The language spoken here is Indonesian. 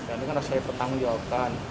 ini harus saya pertanggungjawabkan